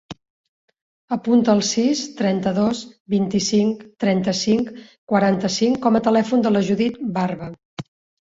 Apunta el sis, trenta-dos, vint-i-cinc, trenta-cinc, quaranta-cinc com a telèfon de la Judith Barba.